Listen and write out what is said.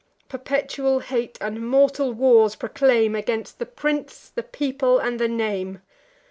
Perpetual hate and mortal wars proclaim, Against the prince, the people, and the name.